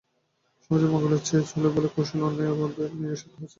সমাজের মঙ্গলের চেয়ে ছলে-বলে-কৌশলে অন্যায় পন্থায় নিজের স্বার্থ হাসিলই তাদের একমাত্র লক্ষ্য।